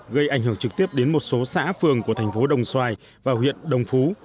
gây ảnh hưởng trực tiếp đến một số xã phường của thành phố đồng xoài và huyện đồng phú